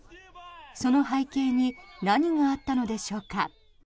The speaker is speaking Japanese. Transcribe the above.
その背景に何があったのでしょうか。